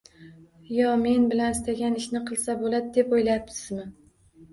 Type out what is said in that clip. Yo men bilan istagan ishni qilsa boʻladi deb oʻylayapsizmi